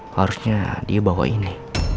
harusnya dia bawa ini